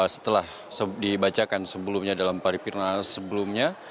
setelah dibacakan sebelumnya dalam paripurna sebelumnya